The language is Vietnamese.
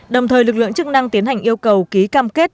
đồng thời lực lượng chức năng tiến hành yêu cầu ký cam kết